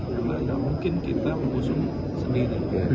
karena gak mungkin kita mengusung sendiri